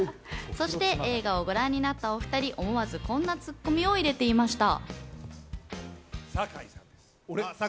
そして映画をご覧になったお２人、思わずこんなツッコミを入れていました。